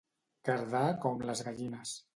Cardar com les gallines.